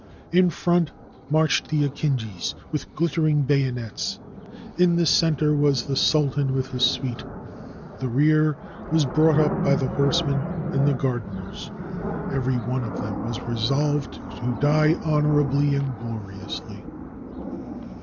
In front marched the akinjis with ghttering bayonets; in the center was the sultan with his suite; the rear was brought up by the horsemen and the gardeners. Every one of them was resolved to die honorably and gloriously.